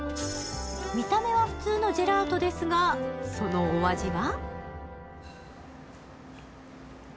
見た目は普通のジェラートですがそのお味は？